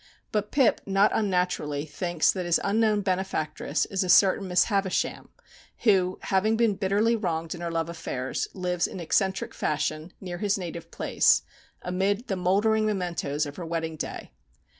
But Pip not unnaturally thinks that his unknown benefactress is a certain Miss Havisham, who, having been bitterly wronged in her love affairs, lives in eccentric fashion near his native place, amid the mouldering mementoes of her wedding day.